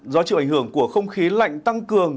gió chịu ảnh hưởng của không khí lạnh tăng cường